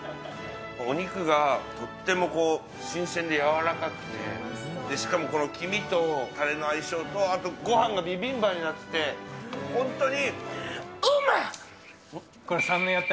お肉がとっても新鮮で柔らかくて、しかもこの黄身とたれの相性と、あとごはんがビビンバになってて、本当にうーまっ。